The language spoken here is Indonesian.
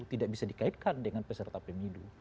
tidak bisa dikaitkan dengan peserta pemilu